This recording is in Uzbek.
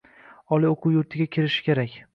Oliy o‘quv yurtiga kirishi kerak.